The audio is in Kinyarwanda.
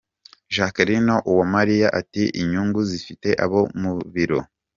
Jacqueline Uwamariya ati “Inyungu zifite abo mu biro.